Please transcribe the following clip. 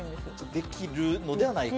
できるのではないかと。